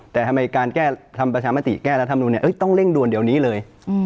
แต่ทำไมการแก้ทำประชามติแก้รัฐมนุนต้องเร่งด่วนเดี๋ยวนี้เลย